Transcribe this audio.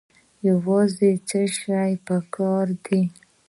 یوازې څه شی پکار دی؟